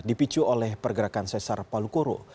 dipicu oleh pergerakan sesar palu koro